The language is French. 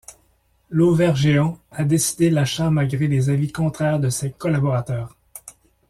Lauvergeon a décidé l'achat malgré les avis contraires de ses collaborateurs.